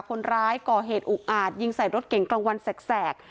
คนร้ายก่อเหตุอุกอาจยิงใส่รถเก่งกลางวันแสก